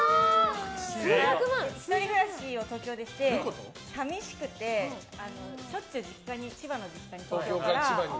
１人暮らしを東京でして寂しくてしょっちゅう千葉の実家に東京から。